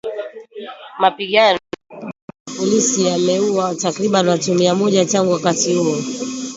Mapigano baina ya polisi yameuwa takriban watu mia moja tangu wakati huo